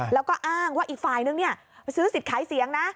แล้วก็อ้างว่าอีกฝ่ายนึงซื้อสิทธิ์ขายเสียงนะ